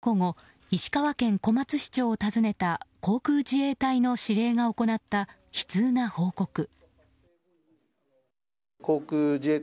昨日午後石川県小松市長を訪ねた航空自衛隊の司令が行った悲痛な報告。